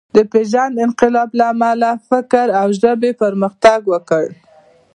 د پېژاند انقلاب له امله فکر او ژبې پرمختګ وکړ.